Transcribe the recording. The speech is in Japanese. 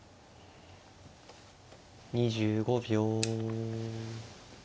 ２５秒。